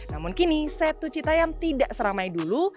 namun kini setu citayam tidak seramai dulu